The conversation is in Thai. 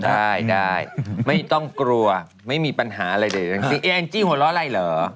ได้ได้ไม่ต้องกลัวไม่มีปัญหาอะไรเลยทั้งแอนจี้หัวเราะอะไรเหรอ